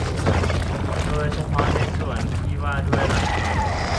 โดยเฉพาะในส่วนที่ว่าด้วยหลักเกณฑ์